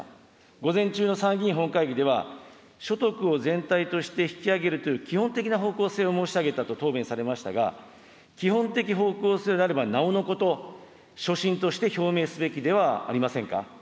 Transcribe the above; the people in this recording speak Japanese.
午前中の参議院本会議では、所得を全体として引き上げるという基本的な方向性を申し上げたと答弁されましたが、基本的方向性であればなおのこと、所信として表明すべきではありませんか。